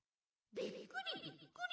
びっくり！？